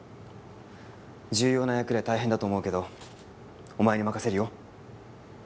重要な役で大変だと思うけどお前に任せるよ。